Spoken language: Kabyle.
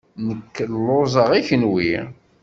Nekk lluẓeɣ. I kenwi?